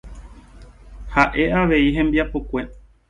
Ha'e avei hembiapokue.